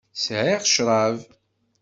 Sɛiɣ ccṛab.